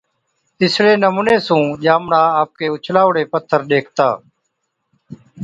اِسڙي نمُوني سُون ڄامڙا آپڪي اُڇلائوڙي پٿر ڏيکتا،